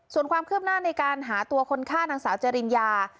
ส่วนความคืบหน้าในการหาตัวคนฆ่านางสาวจริญญา